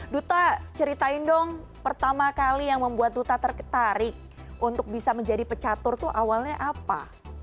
duta ceritain dong pertama kali yang membuat duta tertarik untuk bisa menjadi pecatur tuh awalnya apa